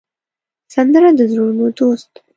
سندره د زړونو دوست ده